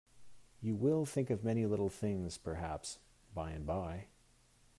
You will think of many little things perhaps, by and by.